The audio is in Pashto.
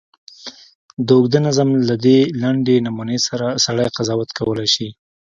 د اوږده نظم له دې لنډې نمونې سړی قضاوت کولای شي.